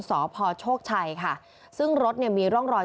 สพโชคชัยค่ะซึ่งรถเนี่ยมีร่องรอย